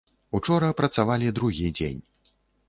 Учора працавалі другі дзень.